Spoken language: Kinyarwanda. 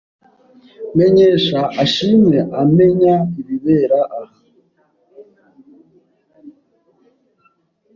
Menyesha ashimwe amenya ibibera aha.